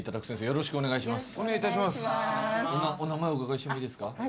よろしくお願いします。